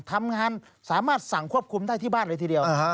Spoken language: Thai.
ทำงานสามารถสั่งควบคุมได้ที่บ้านเลยทีเดียว